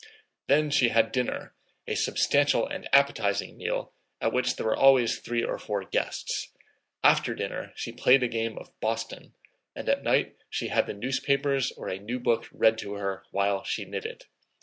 Then she had dinner, a substantial and appetizing meal at which there were always three or four guests; after dinner she played a game of boston, and at night she had the newspapers or a new book read to her while she knitted.